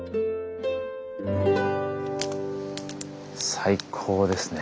最高ですね。